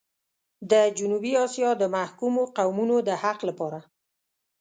د جنوبي اسيا د محکومو قومونو د حق لپاره.